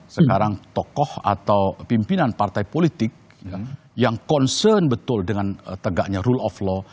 sekarang tokoh atau pimpinan partai politik yang concern betul dengan tegaknya rule of law